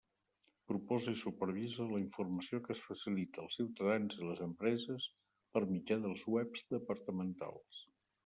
Proposa i supervisa la informació que es facilita als ciutadans i les empreses per mitjà dels webs departamentals.